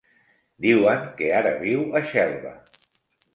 Diuen que ara viu a Xelva.